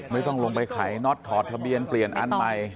ไม่ต้องลงไปขายน็อตถอดทะเบียนเปลี่ยนอันใหม่